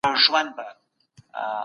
ولي کډوال په نړیواله کچه ارزښت لري؟